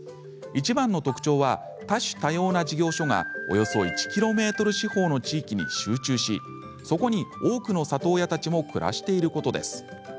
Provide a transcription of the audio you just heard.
いちばんの特徴は多種多様な事業所がおよそ１ｋｍ四方の地域に集中しそこに多くの里親たちも暮らしていることです。